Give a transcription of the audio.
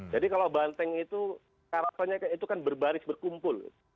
jadi kalau banteng itu karakternya itu kan berbaris berkumpul